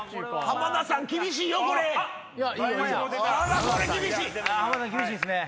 浜田さん厳しいっすね。